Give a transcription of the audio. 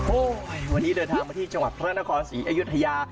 โอ้โหวันนี้เดินทางมาที่จังหวัดพระนครศรีอยุธยา